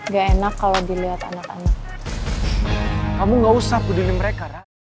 gak enak kalau dilihat anak anak